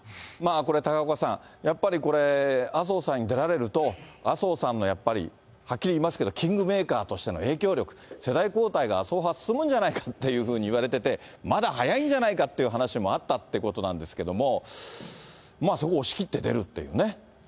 これ、高岡さん、やっぱりこれ、麻生さんに出られると、麻生さんのやっぱり、はっきり言いますけど、キングメーカーとしての影響力、世代交代が麻生派は早晩進むんじゃないかということがいわれてて、まだ早いんじゃないかっていう話もあったということなんですけれども、そこを押し切って出るっていうね。